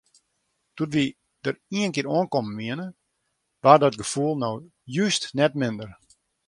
Doe't wy dêr ienkear oankommen wiene, waard dat gefoel no just net minder.